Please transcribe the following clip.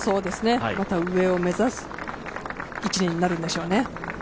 また上を目指す１年になるんでしょうね。